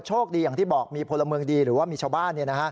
โชคดีอย่างที่บอกมีพลเมืองดีหรือว่ามีชาวบ้าน